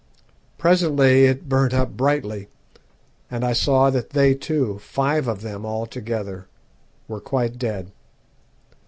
Presently it burnt up brightly, and I saw that they too, five of them altogether, were quite dead.